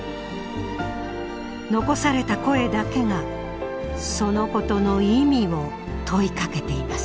遺された声だけがそのことの意味を問いかけています。